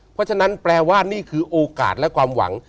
เพราะฉะนั้นแปลว่านี่คือโอกาสและความหวัง